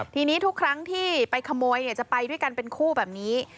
ทีนี้ทุกครั้งที่ไปขโมยจะไปด้วยกันเป็นคู่แบบนี้